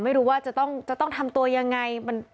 ไม่รู้ว่าจะต้องทำตัวยังไง